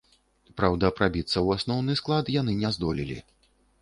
Праўда, прабіцца ў асноўны склад яны не здолелі.